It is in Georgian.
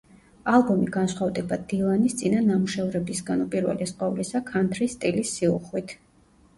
ალბომი განსხვავდება დილანის წინა ნამუშევრებისგან, უპირველეს ყოვლისა, ქანთრის სტილის სიუხვით.